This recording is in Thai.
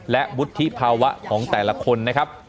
และวุฒิภาวะของแต่ละคนนะครับ